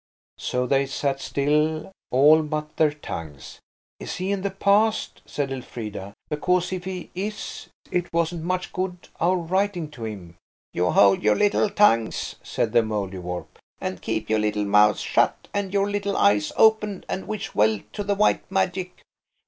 So they sat still, all but their tongues. "Is he in the past?" said Elfrida; "because if he is, it wasn't much good our writing to him." "You hold your little tongues," said the Mouldiwarp, "and keep your little mouths shut, and your little eyes open, and wish well to the white magic.